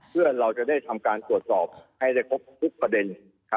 เพื่อเราจะได้ทำการตรวจสอบให้ได้ครบทุกประเด็น